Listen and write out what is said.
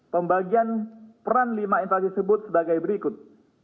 pembagian peran lima instansi tersebut sebagai berikut